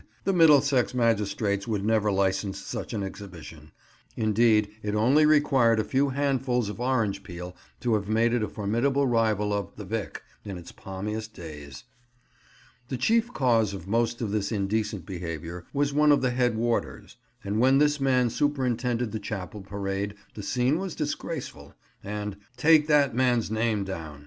The Middlesex magistrates would never licence such an exhibition; indeed, it only required a few handfuls of orange peel to have made it a formidable rival of "The Vic." in its palmiest days. The chief cause of most of this indecent behaviour was one of the head warders, and when this man superintended the chapel parade the scene was disgraceful; and "Take that man's name down!"